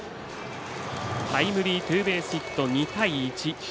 タイムリーツーベース、２対１。